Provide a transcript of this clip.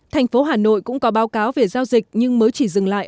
thành phố hà nội cũng có báo cáo về giao dịch nhưng mới chỉ dừng lại